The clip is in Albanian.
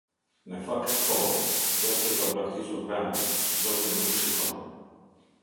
Në fakt thonë: "Zoti e ka braktisur vendin, Zoti nuk shikon".